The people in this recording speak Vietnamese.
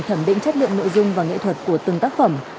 thẩm định chất lượng nội dung và nghệ thuật của từng tác phẩm